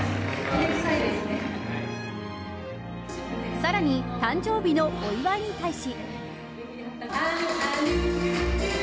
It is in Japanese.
更に、誕生日のお祝いに対し。